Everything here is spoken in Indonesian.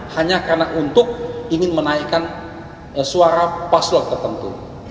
hanya karena untuk ingin menaikkan suara paslon tertentu